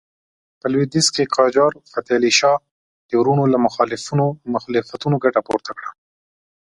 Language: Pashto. په لوېدیځ کې قاجار فتح علي شاه د وروڼو له مخالفتونو ګټه پورته کړه.